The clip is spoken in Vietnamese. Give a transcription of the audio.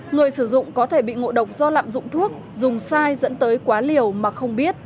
người sử dụng có thể bị ngộ độc do lạm dụng thuốc dùng sai dẫn tới quá liều mà không biết